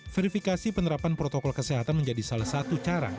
verifikasi penerapan protokol kesehatan menjadi salah satu cara